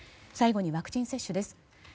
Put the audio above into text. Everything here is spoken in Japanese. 最後にワクチン接種です。